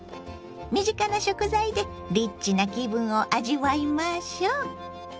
身近な食材でリッチな気分を味わいましょう。